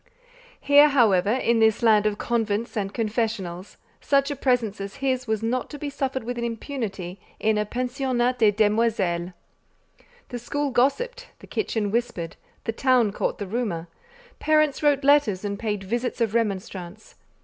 Here, however, in this land of convents and confessionals, such a presence as his was not to be suffered with impunity in a "pensionnat de demoiselles." The school gossiped, the kitchen whispered, the town caught the rumour, parents wrote letters and paid visits of remonstrance.